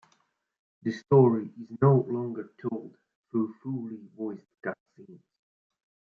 The story is no longer told through fully voiced cutscenes.